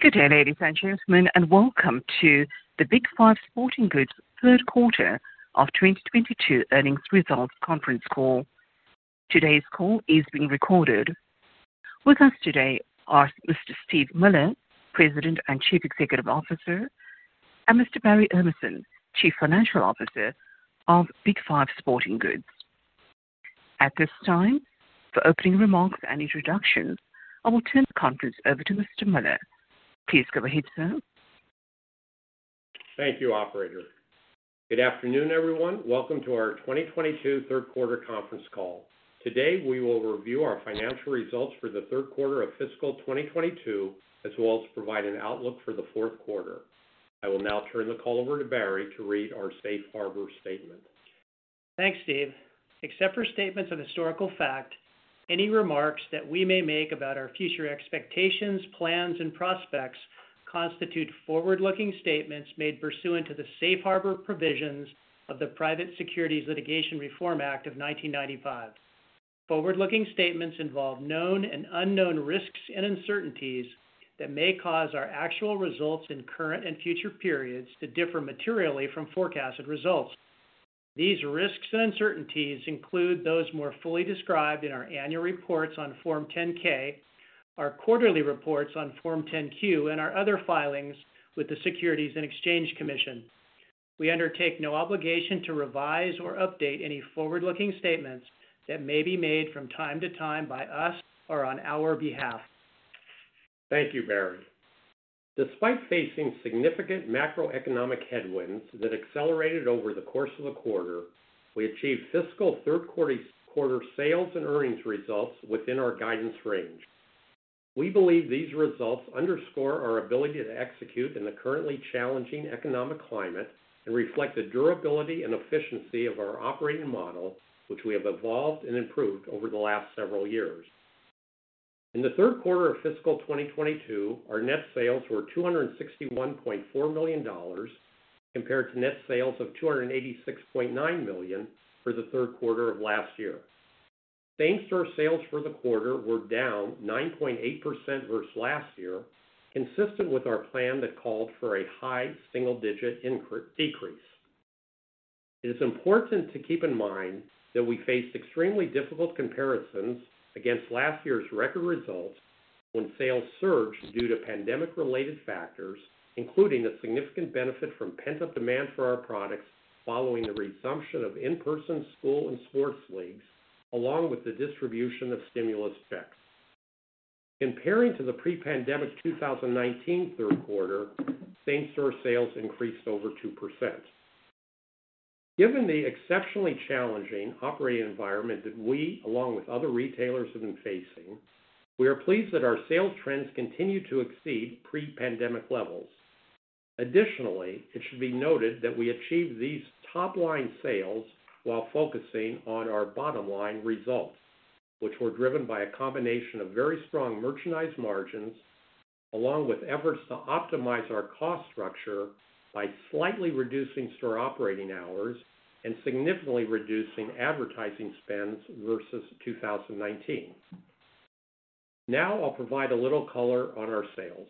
Good day, ladies and gentlemen, and welcome to the Big 5 Sporting Goods third quarter of 2022 earnings results conference call. Today's call is being recorded. With us today are Mr. Steve Miller, President and Chief Executive Officer, and Mr. Barry Emerson, Chief Financial Officer of Big 5 Sporting Goods. At this time, for opening remarks and introductions, I will turn the conference over to Mr. Miller. Please go ahead, sir. Thank you, Operator. Good afternoon, everyone. Welcome to our 2022 third quarter conference call. Today, we will review our financial results for the third quarter of fiscal 2022, as well as provide an outlook for the fourth quarter. I will now turn the call over to Barry to read our safe harbor statement. Thanks, Steve. Except for statements of historical fact, any remarks that we may make about our future expectations, plans, and prospects constitute forward-looking statements made pursuant to the safe harbor provisions of the Private Securities Litigation Reform Act of 1995. Forward-looking statements involve known and unknown risks and uncertainties that may cause our actual results in current and future periods to differ materially from forecasted results. These risks and uncertainties include those more fully described in our annual reports on Form 10-K, our quarterly reports on Form 10-Q, and our other filings with the Securities and Exchange Commission. We undertake no obligation to revise or update any forward-looking statements that may be made from time to time by us or on our behalf. Thank you, Barry. Despite facing significant macroeconomic headwinds that accelerated over the course of the quarter, we achieved fiscal third quarter sales and earnings results within our guidance range. We believe these results underscore our ability to execute in the currently challenging economic climate and reflect the durability and efficiency of our operating model, which we have evolved and improved over the last several years. In the third quarter of fiscal 2022, our net sales were $261.4 million compared to net sales of $286.9 million for the third quarter of last year. Same-store sales for the quarter were down 9.8% versus last year, consistent with our plan that called for a high single-digit decrease. It is important to keep in mind that we faced extremely difficult comparisons against last year's record results when sales surged due to pandemic-related factors, including the significant benefit from pent-up demand for our products following the resumption of in-person school and sports leagues, along with the distribution of stimulus checks. Comparing to the pre-pandemic 2019 third quarter, same-store sales increased over 2%. Given the exceptionally challenging operating environment that we, along with other retailers, have been facing, we are pleased that our sales trends continue to exceed pre-pandemic levels. Additionally, it should be noted that we achieved these top-line sales while focusing on our bottom line results, which were driven by a combination of very strong merchandise margins, along with efforts to optimize our cost structure by slightly reducing store operating hours and significantly reducing advertising spends versus 2019. Now, I'll provide a little color on our sales.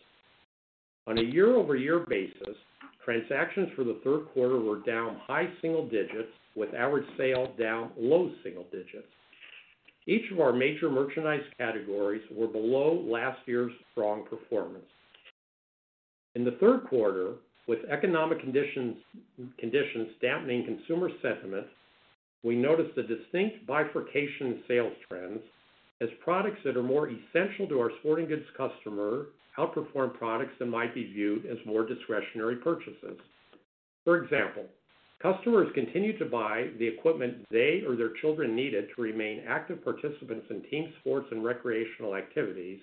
On a year-over-year basis, transactions for the third quarter were down high single digits with average sales down low single digits. Each of our major merchandise categories were below last year's strong performance. In the third quarter, with economic conditions dampening consumer sentiment, we noticed a distinct bifurcation in sales trends as products that are more essential to our sporting goods customer outperformed products that might be viewed as more discretionary purchases. For example, customers continued to buy the equipment they or their children needed to remain active participants in team sports and recreational activities,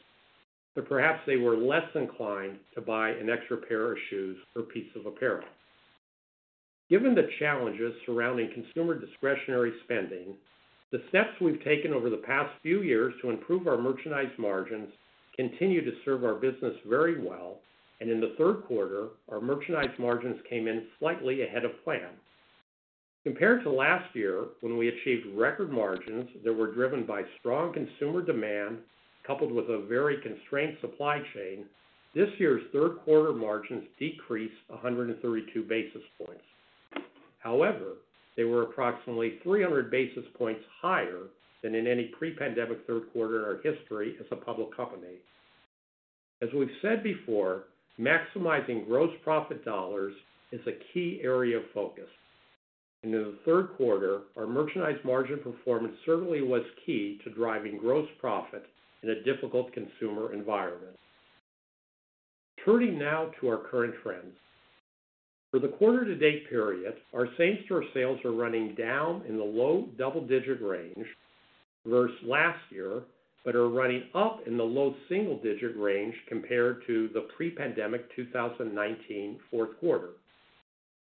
but perhaps they were less inclined to buy an extra pair of shoes or piece of apparel. Given the challenges surrounding consumer discretionary spending, the steps we've taken over the past few years to improve our merchandise margins continue to serve our business very well. In the third quarter, our merchandise margins came in slightly ahead of plan. Compared to last year, when we achieved record margins that were driven by strong consumer demand coupled with a very constrained supply chain, this year's third quarter margins decreased 132 basis points. However, they were approximately 300 basis points higher than in any pre-pandemic third quarter in our history as a public company. As we've said before, maximizing gross profit dollars is a key area of focus. In the third quarter, our merchandise margin performance certainly was key to driving gross profit in a difficult consumer environment. Turning now to our current trends. For the quarter to date period, our same-store sales are running down in the low double-digit range versus last year, but are running up in the low single-digit range compared to the pre-pandemic 2019 fourth quarter.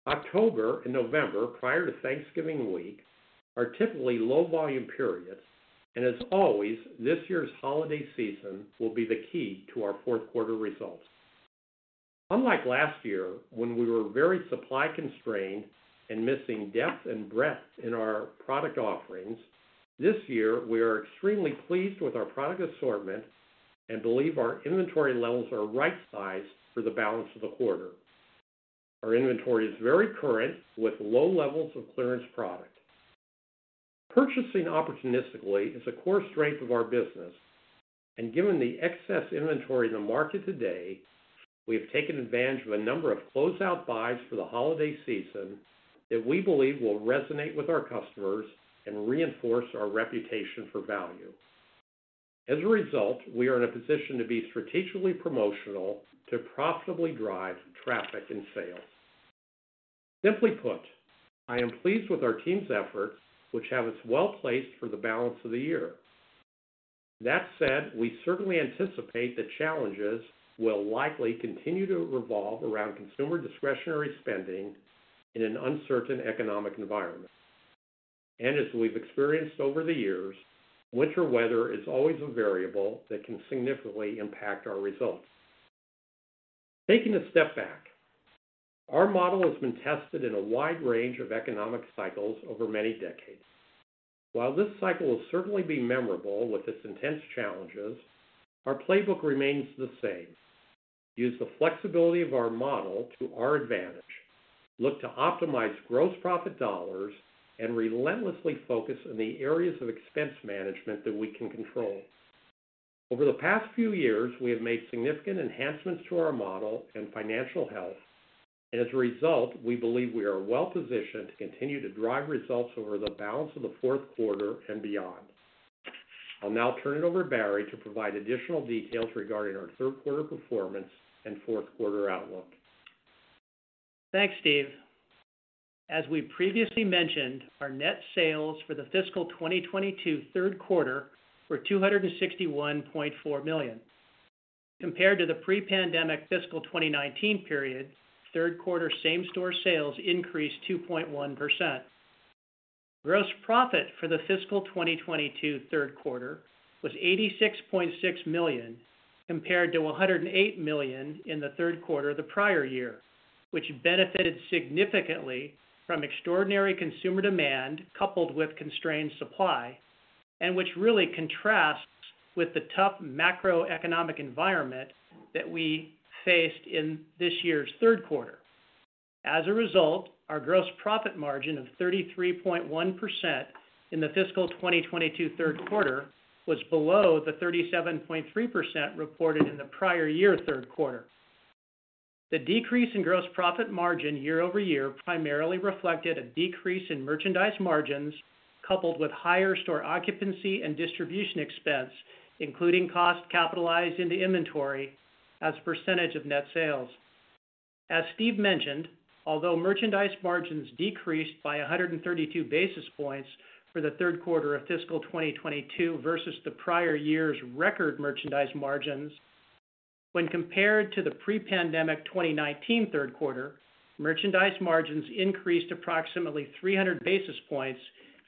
October and November, prior to Thanksgiving week, are typically low volume periods. As always, this year's holiday season will be the key to our fourth quarter results. Unlike last year when we were very supply constrained and missing depth and breadth in our product offerings, this year we are extremely pleased with our product assortment and believe our inventory levels are right sized for the balance of the quarter. Our inventory is very current with low levels of clearance product. Purchasing opportunistically is a core strength of our business, and given the excess inventory in the market today, we have taken advantage of a number of closeout buys for the holiday season that we believe will resonate with our customers and reinforce our reputation for value. As a result, we are in a position to be strategically promotional to profitably drive traffic and sales. Simply put, I am pleased with our team's efforts, which have us well placed for the balance of the year. That said, we certainly anticipate the challenges will likely continue to revolve around consumer discretionary spending in an uncertain economic environment. As we've experienced over the years, winter weather is always a variable that can significantly impact our results. Taking a step back, our model has been tested in a wide range of economic cycles over many decades. While this cycle will certainly be memorable with its intense challenges, our playbook remains the same. Use the flexibility of our model to our advantage. Look to optimize gross profit dollars and relentlessly focus on the areas of expense management that we can control. Over the past few years, we have made significant enhancements to our model and financial health. As a result, we believe we are well positioned to continue to drive results over the balance of the fourth quarter and beyond. I'll now turn it over to Barry to provide additional details regarding our third quarter performance and fourth quarter outlook. Thanks, Steve. As we previously mentioned, our net sales for the fiscal 2022 third quarter were $261.4 million. Compared to the pre-pandemic fiscal 2019 period, third quarter same-store sales increased 2.1%. Gross profit for the fiscal 2022 third quarter was $86.6 million, compared to $108 million in the third quarter of the prior year, which benefited significantly from extraordinary consumer demand coupled with constrained supply, and which really contrasts with the tough macroeconomic environment that we faced in this year's third quarter. As a result, our gross profit margin of 33.1% in the fiscal 2022 third quarter was below the 37.3% reported in the prior year third quarter. The decrease in gross profit margin year over year primarily reflected a decrease in merchandise margins, coupled with higher store occupancy and distribution expense, including costs capitalized into inventory as a percentage of net sales. As Steve mentioned, although merchandise margins decreased by 132 basis points for the third quarter of fiscal 2022 versus the prior year's record merchandise margins, when compared to the pre-pandemic 2019 third quarter, merchandise margins increased approximately 300 basis points,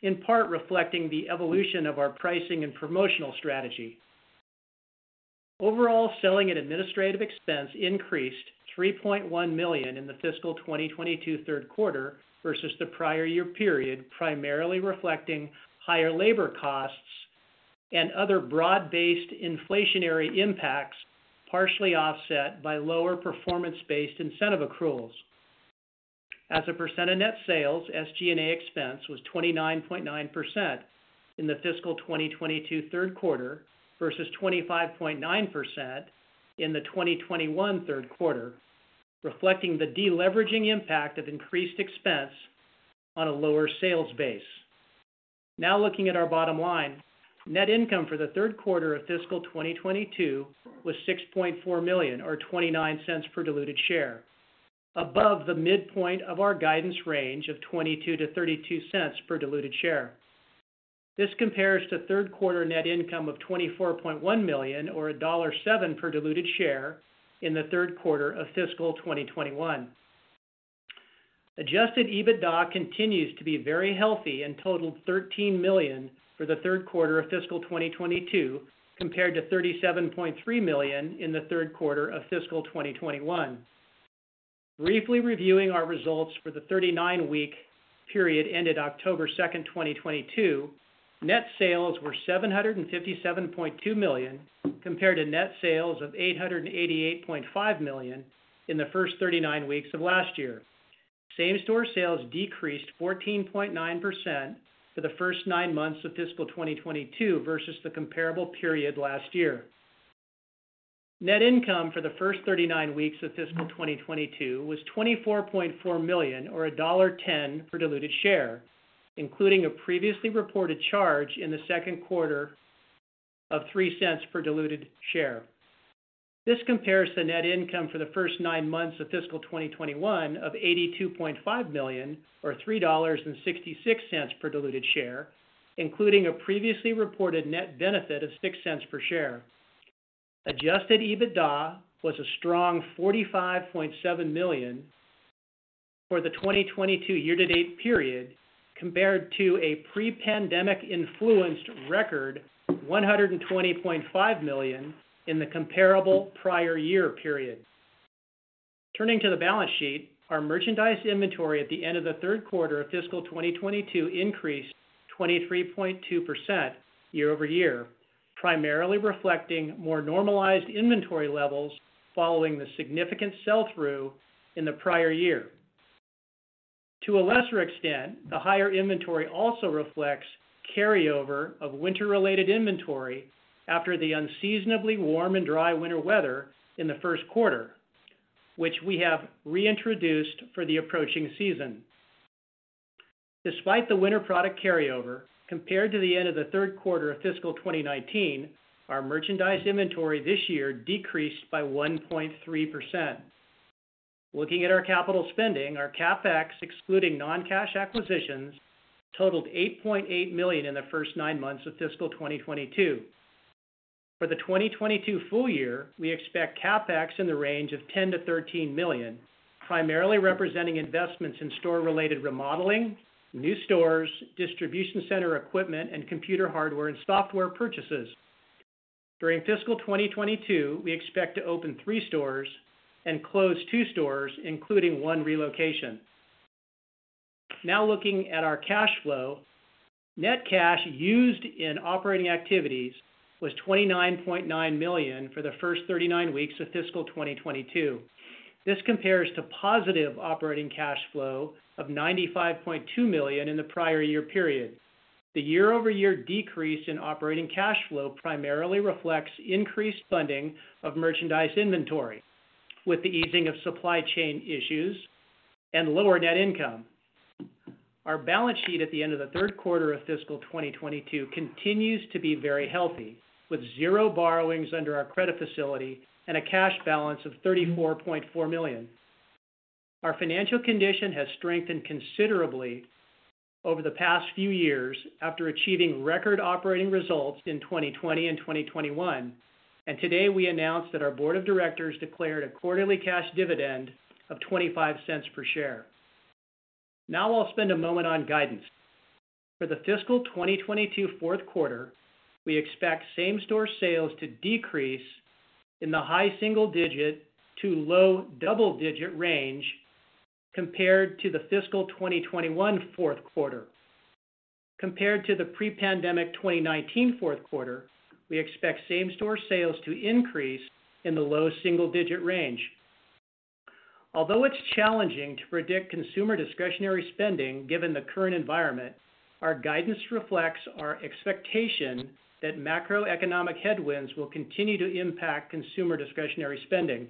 in part reflecting the evolution of our pricing and promotional strategy. Overall, selling and administrative expense increased $3.1 million in the fiscal 2022 third quarter versus the prior year period, primarily reflecting higher labor costs and other broad-based inflationary impacts, partially offset by lower performance-based incentive accruals. As a percent of net sales, SG&A expense was 29.9% in the fiscal 2022 third quarter versus 25.9% in the 2021 third quarter, reflecting the deleveraging impact of increased expense on a lower sales base. Now looking at our bottom line. Net income for the third quarter of fiscal 2022 was $6.4 million or $0.29 per diluted share, above the midpoint of our guidance range of $0.22-$0.32 per diluted share. This compares to third quarter net income of $24.1 million or $1.07 per diluted share in the third quarter of fiscal 2021. Adjusted EBITDA continues to be very healthy and totaled $13 million for the third quarter of fiscal 2022, compared to $37.3 million in the third quarter of fiscal 2021. Briefly reviewing our results for the 39-week period ended October 2, 2022. Net sales were $757.2 million, compared to net sales of $888.5 million in the first 39 weeks of last year. Same-store sales decreased 14.9% for the first nine months of fiscal 2022 versus the comparable period last year. Net income for the first 39 weeks of fiscal 2022 was $24.4 million or $1.10 per diluted share, including a previously reported charge in the second quarter of $0.03 per diluted share. This compares to net income for the first nine months of fiscal 2021 of $82.5 million or $3.66 per diluted share, including a previously reported net benefit of $0.06 per share. Adjusted EBITDA was a strong $45.7 million for the 2022 year-to-date period compared to a pre-pandemic influenced record $120.5 million in the comparable prior year period. Turning to the balance sheet. Our merchandise inventory at the end of the third quarter of fiscal 2022 increased 23.2% year-over-year, primarily reflecting more normalized inventory levels following the significant sell through in the prior year. To a lesser extent, the higher inventory also reflects carryover of winter-related inventory after the unseasonably warm and dry winter weather in the first quarter, which we have reintroduced for the approaching season. Despite the winter product carryover, compared to the end of the third quarter of fiscal 2019, our merchandise inventory this year decreased by 1.3%. Looking at our capital spending, our CapEx, excluding non-cash acquisitions, totaled $8.8 million in the first nine months of fiscal 2022. For the 2022 full-year, we expect CapEx in the range of $10 million-$13 million, primarily representing investments in store-related remodeling, new stores, distribution center equipment, and computer hardware and software purchases. During fiscal 2022, we expect to open three stores and close 2 stores, including one relocation. Now looking at our cash flow, net cash used in operating activities was $29.9 million for the first 39 weeks of fiscal 2022. This compares to positive operating cash flow of $95.2 million in the prior year period. The year-over-year decrease in operating cash flow primarily reflects increased funding of merchandise inventory with the easing of supply chain issues and lower net income. Our balance sheet at the end of the third quarter of fiscal 2022 continues to be very healthy, with zero borrowings under our credit facility and a cash balance of $34.4 million. Our financial condition has strengthened considerably over the past few years after achieving record operating results in 2020 and 2021. Today we announced that our board of directors declared a quarterly cash dividend of $0.25 per share. Now I'll spend a moment on guidance. For the fiscal 2022 fourth quarter, we expect same-store sales to decrease in the high single-digit to low double-digit range compared to the fiscal 2021 fourth quarter. Compared to the pre-pandemic 2019 fourth quarter, we expect same-store sales to increase in the low single-digit range. Although it's challenging to predict consumer discretionary spending, given the current environment, our guidance reflects our expectation that macroeconomic headwinds will continue to impact consumer discretionary spending.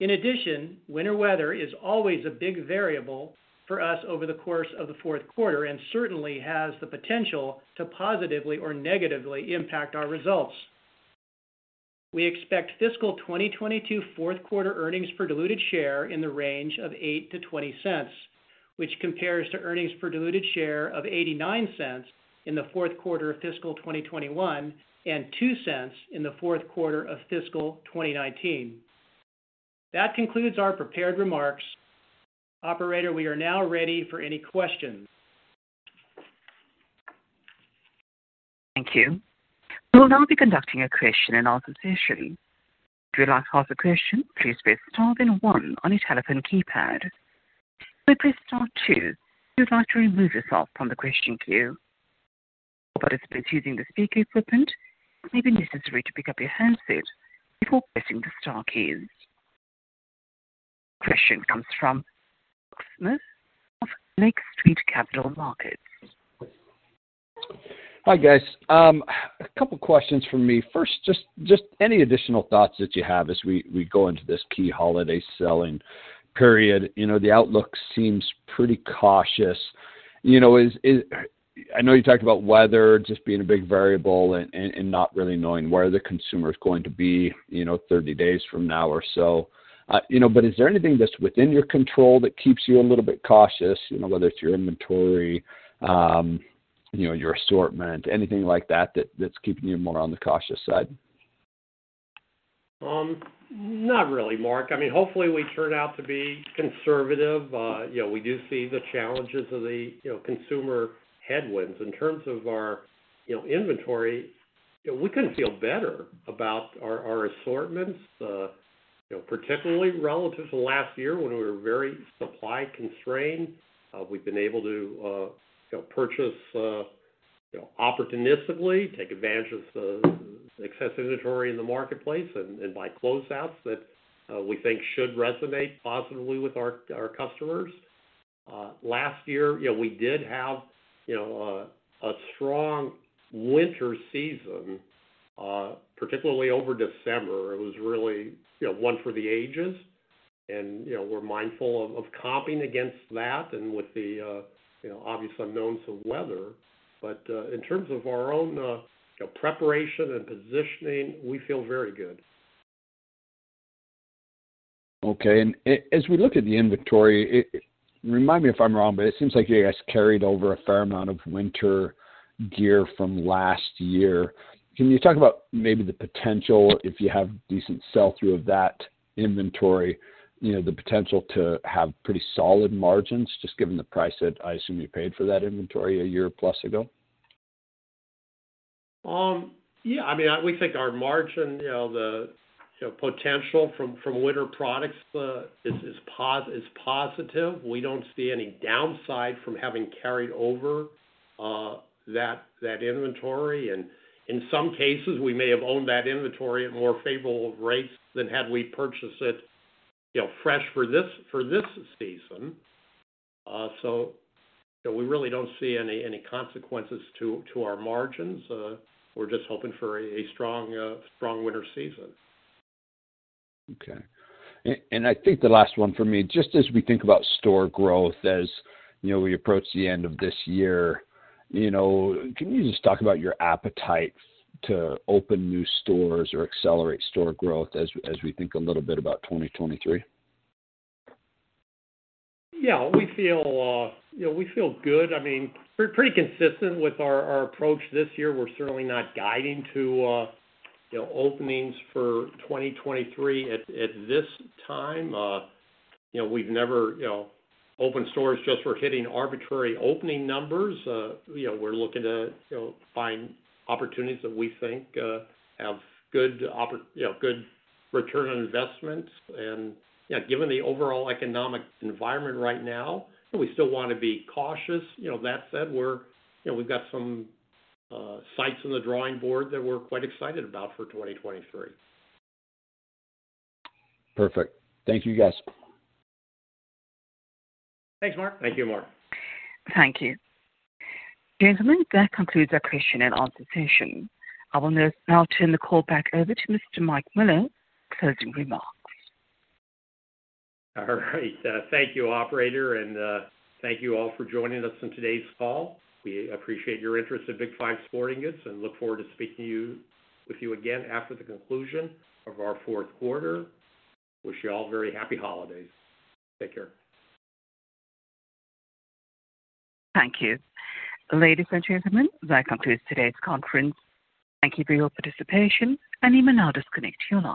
In addition, winter weather is always a big variable for us over the course of the fourth quarter and certainly has the potential to positively or negatively impact our results. We expect fiscal 2022 fourth quarter earnings per diluted share in the range of $0.08-$0.20, which compares to earnings per diluted share of $0.89 in the fourth quarter of fiscal 2021 and $0.02 in the fourth quarter of fiscal 2019. That concludes our prepared remarks. Operator, we are now ready for any questions. Thank you. We'll now be conducting a question and answer session. If you'd like to ask a question, please press star then one on your telephone keypad. Press Star two if you'd like to remove yourself from the question queue. For participants using the speaker equipment, it may be necessary to pick up your handset before pressing the star keys. Question comes from Mark Smith of Lake Street Capital Markets. Hi, guys. A couple questions from me. First, just any additional thoughts that you have as we go into this key holiday selling period. You know, the outlook seems pretty cautious. You know, I know you talked about weather just being a big variable and not really knowing where the consumer is going to be, you know, 30 days from now or so. You know, but is there anything that's within your control that keeps you a little bit cautious, you know, whether it's your inventory, you know, your assortment, anything like that's keeping you more on the cautious side? Not really, Mark. I mean, hopefully, we turn out to be conservative. You know, we do see the challenges of the, you know, consumer headwinds. In terms of our, you know, inventory, we couldn't feel better about our assortments, you know, particularly relative to last year when we were very supply constrained. We've been able to, you know, purchase, you know, opportunistically, take advantage of the excess inventory in the marketplace and buy closeouts that, we think should resonate positively with our customers. Last year, you know, we did have, you know, a strong winter season, particularly over December. It was really, you know, one for the ages. We're mindful of comping against that and with the, you know, obvious unknowns of weather. in terms of our own, you know, preparation and positioning, we feel very good. Okay. As we look at the inventory, remind me if I'm wrong, but it seems like you guys carried over a fair amount of winter gear from last year. Can you talk about maybe the potential if you have decent sell-through of that inventory, you know, the potential to have pretty solid margins just given the price that I assume you paid for that inventory a year plus ago? Yeah. I mean, we think our margin, you know, the potential from winter products is positive. We don't see any downside from having carried over that inventory. In some cases, we may have owned that inventory at more favorable rates than had we purchased it, you know, fresh for this season. We really don't see any consequences to our margins. We're just hoping for a strong winter season. Okay. I think the last one for me, just as we think about store growth, as you know, we approach the end of this year, you know, can you just talk about your appetite to open new stores or accelerate store growth as we think a little bit about 2023? Yeah. We feel, you know, we feel good. I mean, we're pretty consistent with our approach this year. We're certainly not guiding to, you know, openings for 2023 at this time. You know, we've never, you know, opened stores just for hitting arbitrary opening numbers. You know, we're looking to, you know, find opportunities that we think have good, you know, good return on investment. Yeah, given the overall economic environment right now, we still wanna be cautious. You know, that said, we're, you know, we've got some sites on the drawing board that we're quite excited about for 2023. Perfect. Thank you, guys. Thanks, Mark. Thank you, Mark. Thank you. Gentlemen, that concludes our question and answer session. I will now turn the call back over to Mr. Steve Miller for closing remarks. All right. Thank you, operator, and thank you all for joining us on today's call. We appreciate your interest in Big 5 Sporting Goods and look forward to speaking with you again after the conclusion of our fourth quarter. Wish you all very happy holidays. Take care. Thank you. Ladies and gentlemen, that concludes today's conference. Thank you for your participation. You may now disconnect your lines.